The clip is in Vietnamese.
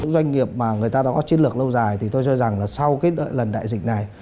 doanh nghiệp mà người ta đã có chiến lược lâu dài thì tôi cho rằng là sau cái lần đại dịch này